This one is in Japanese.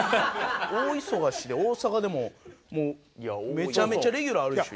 大忙しで大阪でももうめちゃめちゃレギュラーあるでしょ？